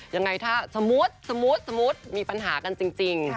ยังไงถ้าสมมุติสมมุติมีปัญหากันจริง